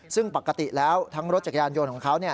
ซึ่งปกติแล้วทั้งรถจักรยานยนต์ของเขา